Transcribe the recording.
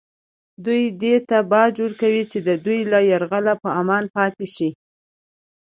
دوی دې ته باج ورکوي چې د دوی له یرغله په امان پاتې شي